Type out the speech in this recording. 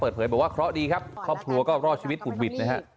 เปิดเผยบอกว่าเคราะห์ดีครับครอบครัวก็รอดชีวิตอุดหวิดนะฮะ